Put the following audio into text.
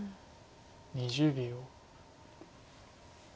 ２０秒。